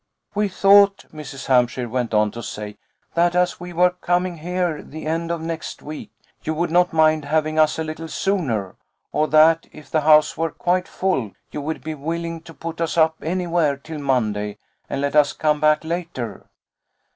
"We thought," Mrs. Hampshire went on to say, "that as we were coming here the end of next week, you would not mind having us a little sooner; or that, if the house were quite full, you would be willing to put us up anywhere till Monday, and let us come back later."